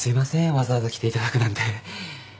わざわざ来ていただくなんて。